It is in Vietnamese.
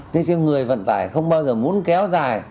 thế nhưng người vận tải không bao giờ muốn kéo dài